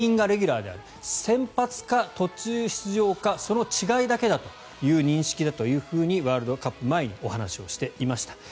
森保監督は全員がレギュラーである先発か途中出場かその違いだけだという認識だとワールドカップ前にお話をしていました。